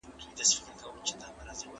بریالي خلګ په خپلو کارونو کي خطر مني.